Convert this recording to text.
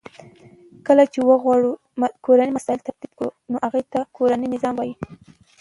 کله چی وغواړو کورنی مسایل ترتیب کړو نو هغه ته کورنی نظام وای .